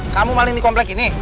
kamu paling di komplek ini